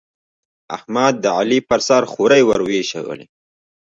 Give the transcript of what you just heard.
احمد، د علي پر سر خورۍ ور واېشولې.